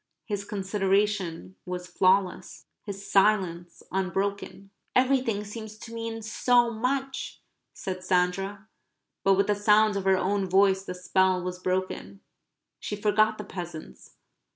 His consideration was flawless; his silence unbroken. "Everything seems to mean so much," said Sandra. But with the sound of her own voice the spell was broken. She forgot the peasants.